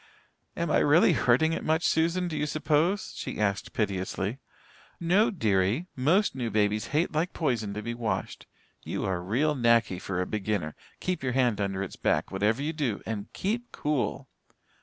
"Am I really hurting it much, Susan, do you suppose?" she asked piteously. "No, dearie. Most new babies hate like poison to be washed. You are real knacky for a beginner. Keep your hand under its back, whatever you do, and keep cool."